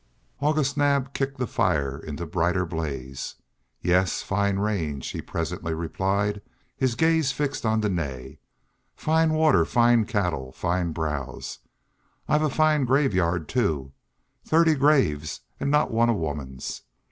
August Naab kicked the fire into brighter blaze. "Yes fine range," he presently replied, his gaze fixed on Dene. "Fine water, fine cattle, fine browse. I've a fine graveyard, too; thirty graves, and not one a woman's.